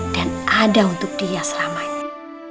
dan ada untuk dia selamanya